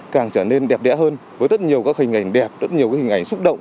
càng trở nên đẹp đẽ hơn với rất nhiều các hình ảnh đẹp rất nhiều hình ảnh xúc động